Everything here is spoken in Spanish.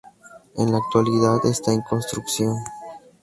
En la actualidad está en construcción.